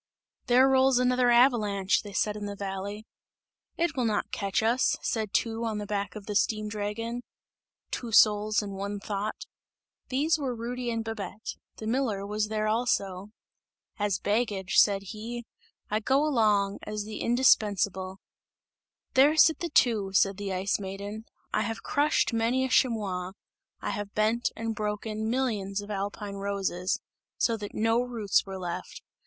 "There rolls another avalanche!" they said in the valley. "It will not catch us!" said two on the back of the steam dragon; "two souls and one thought" these were Rudy and Babette; the miller was there also. "As baggage," said he, "I go along, as the indispensable!" "There sit the two," said the Ice Maiden, "I have crushed many a chamois; I have bent and broken millions of alpine roses, so that no roots were left!